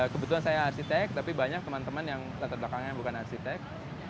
kebetulan saya arsitek tapi banyak teman teman yang latar belakangnya bukan arsitek